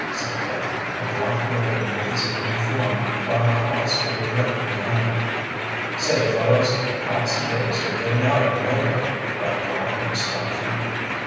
said Dick, and blocked the opening with his own form, while Powell stood directly behind. "Say, fellows, Moss and Davis are getting out of the window!" cried Flapp, in astonishment.